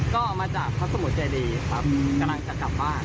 ก็มาจากพระสมุทรใจดีครับ